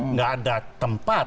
nggak ada tempat